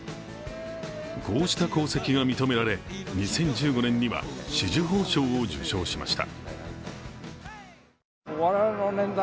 こうした功績が認められ、２０１５年には紫綬褒章を授章しました。